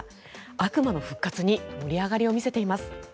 悪魔の復活に盛り上がりを見せています。